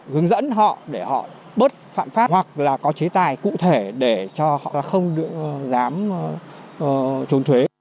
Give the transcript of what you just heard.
hướng dẫn họ để họ bớt phạm pháp hoặc là có chế tài cụ thể để cho họ là không được dám trốn thuế